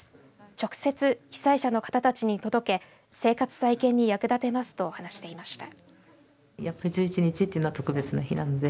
直接、被災者の方に届け生活再建に役立てますと話していました。